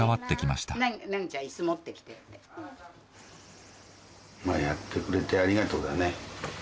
まぁやってくれてありがとうだね。